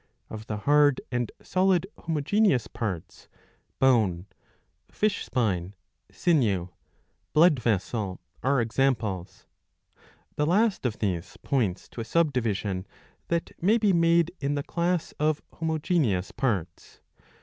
Of the hard and solid homogeneous parts bone, fish spine,^ sinew, blood vessel, are 647 b. ii. 2. 23 examples. The last of these points to a sub division that may be made in the class of homogeneous parts.